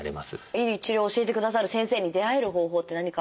いい治療を教えてくださる先生に出会える方法って何かあるんですか？